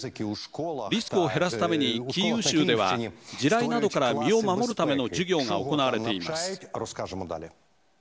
リスクを減らすためにキーウ州では地雷などから身を守るための授業が行われています。